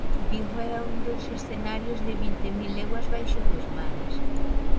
Vigo é un dos escenarios de "Vinte mil leguas baixo dos mares".